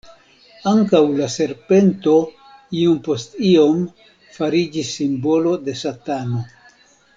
Ankaŭ la serpento iom post iom fariĝis simbolo de Satano.